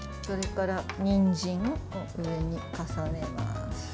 それからにんじんを上に重ねます。